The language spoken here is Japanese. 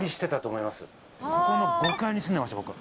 ここの５階に住んでました僕は。